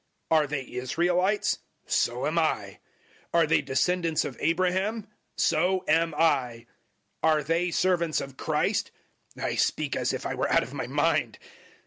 Are they Israelites? So am I. Are they descendants of Abraham? So am I. 011:023 Are they servants of Christ? (I speak as if I were out of my mind.)